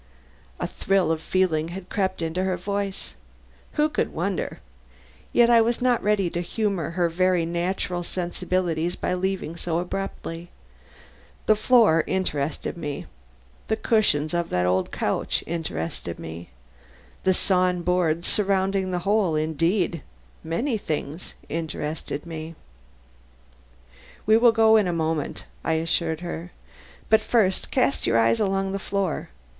A thrill of feeling had crept into her voice. Who could wonder? Yet I was not ready to humor her very natural sensibilities by leaving quite so abruptly. The floor interested me; the cushions of that old couch interested me; the sawn boards surrounding the hole indeed, many things. "We will go in a moment," I assured her; "but, first, cast your eyes along the floor.